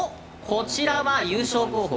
こちらは優勝候補